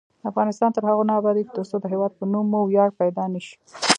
افغانستان تر هغو نه ابادیږي، ترڅو د هیواد په نوم مو ویاړ پیدا نشي.